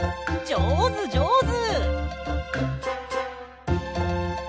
じょうずじょうず。